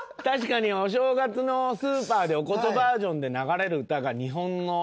確かにお正月のスーパーでお琴バージョンで流れる歌が。